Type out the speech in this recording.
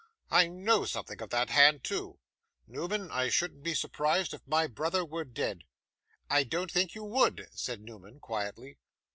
'I know something of that hand, too. Newman, I shouldn't be surprised if my brother were dead.' 'I don't think you would,' said Newman, quietly.